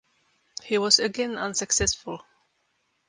He was again unsuccessful.